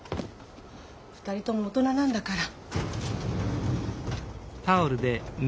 ２人とも大人なんだから。